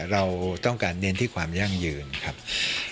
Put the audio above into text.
เราต้องการเน้นที่ความยั่งยืนครับ